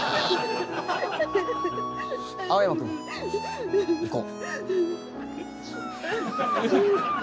青山君行こう。